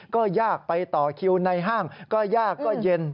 ก็ยากไปต่อคิวในห้างก็ยากก็เย็น